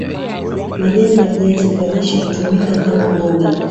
majani ya viazi vya lishe hutumika kama mboga